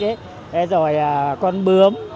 ấy rồi con bướm